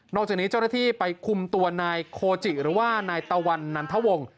จากนี้เจ้าหน้าที่ไปคุมตัวนายโคจิหรือว่านายตะวันนันทวง